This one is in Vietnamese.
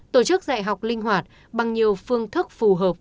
tổ chức dạy học linh hoạt bằng nhiều phương thức phù hợp